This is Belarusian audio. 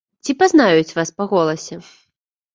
Ці пазнаюць вас па голасе?